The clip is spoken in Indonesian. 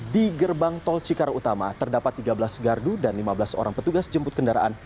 di gerbang tol cikarang utama terdapat tiga belas gardu dan lima belas orang petugas jemput kendaraan